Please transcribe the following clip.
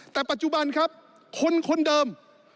แต่ปัจจุบันครับคนคนเดิม